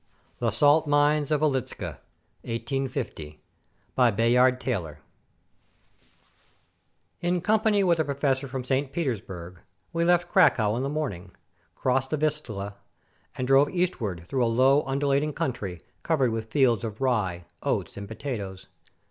THE SALT MINES OF WIELICZKA BY BAYARD TAYLOR In company with a professor from St. Petersburg, we left Cracow in the morning, crossed the Vistula, and drove eastward through a low, undulating country, cov ered with fields of rye, oats, and potatoes.